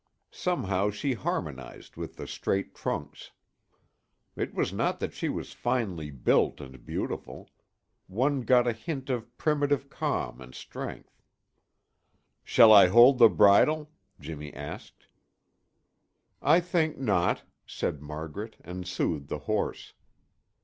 Somehow she harmonized with the straight trunks. It was not that she was finely built and beautiful; one got a hint of primitive calm and strength. "Shall I hold the bridle?" Jimmy asked. "I think not," said Margaret and soothed the horse.